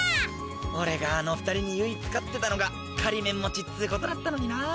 俺があの２人に唯一勝ってたのが仮免持ちっつことだったのにな。